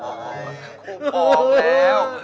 ผมป้องแล้ว